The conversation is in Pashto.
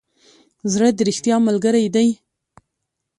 زړه د ریښتیا ملګری دی.